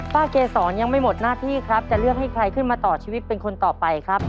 เกษรยังไม่หมดหน้าที่ครับจะเลือกให้ใครขึ้นมาต่อชีวิตเป็นคนต่อไปครับ